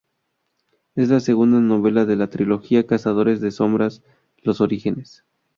Es la segunda novela de la trilogía Cazadores de Sombras: Los Orígenes.